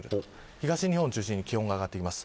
東日本を中心に気温が上がってきます。